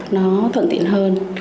nó thuận tiện hơn